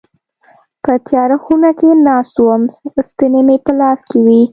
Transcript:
په تياره خونه کي ناست وم ستني مي په لاس کي وي.